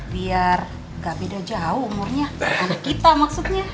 biar gak beda jauh umurnya anak kita maksudnya